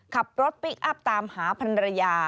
ขับรถพลิกอัพตามหาพันรยา